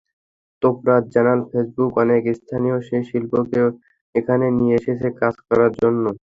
তোপরাজ জানাল, ফেসবুক অনেক স্থানীয় শিল্পীকে এখানে নিয়ে এসেছে কাজ করার জন্য।